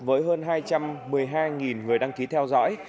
với hơn hai trăm một mươi hai người đăng ký theo dõi